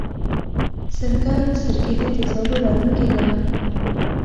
سرکه د سرکې د تیزابو لرونکې ده.